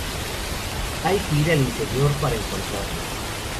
Hay que ir al interior para encontrarlos.